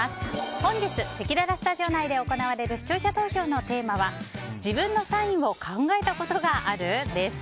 本日、せきららスタジオ内で行われる視聴者投票のテーマは自分のサインを考えたことがある？です。